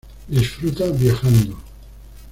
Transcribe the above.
Disfruta viajando.